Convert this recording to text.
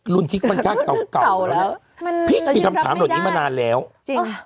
รุ่นที่มันค่ะเก่าเก่าแล้วมันมีคำถามแบบนี้มานานแล้วจริง